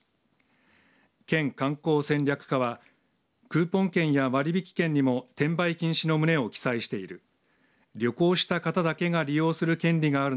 県観光戦略課はクーポン券や割引券にも転売禁止の旨を記載している。